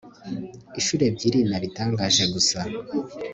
inshuro ebyiri nabitangaje gusa